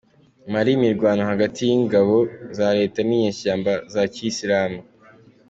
Mali Imirwano hagati y’ingabo za Leta n’inyeshyamba za Kiyisilamu